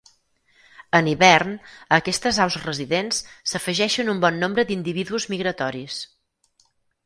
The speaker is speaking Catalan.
En hivern, a aquestes aus residents, s'afegeixen un bon nombre d'individus migratoris.